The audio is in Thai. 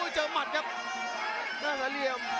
เจอหมัดครับ